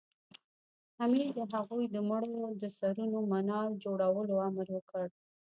امیر د هغوی د مړو د سرونو منار جوړولو امر وکړ.